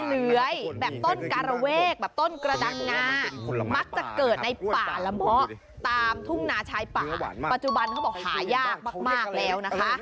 มักจะเกิดในป่าละหม้อตามทุ่งนาชายป่าปัจจุบันเขาบอกหายากมากแล้วนะคะ